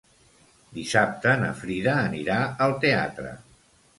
Dissabte na Frida anirà al teatre.